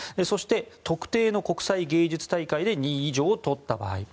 そして特定の国際芸術大会で２位以上を取った場合。